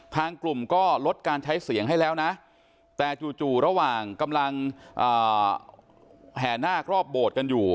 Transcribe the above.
ทางกลุ่มก็ลดการใช้เสียงให้แล้วนะแต่จู่ระหว่างกำลังแห่นาครอบโบสถ์กันอยู่